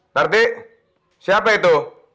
nardi siapa itu